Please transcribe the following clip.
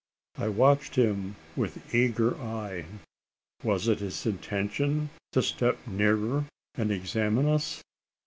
I watched him with eager eye. Was it his intention to step nearer and examine us?